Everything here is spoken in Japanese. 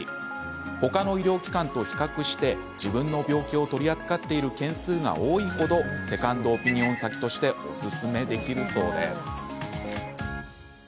他の医療機関と比較して自分の病気を取り扱っている件数が多い程セカンドオピニオン先としておすすめできるそうです。